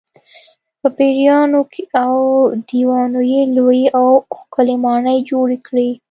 په پېریانو او دیوانو یې لویې او ښکلې ماڼۍ جوړې کړې.